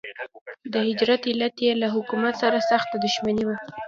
د هجرت علت یې له حکومت سره سخته دښمني وه.